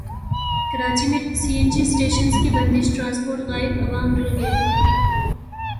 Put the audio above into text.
کراچی میں C N G stations کی بندش ٹرانسپورٹ غائب عوام رل گئے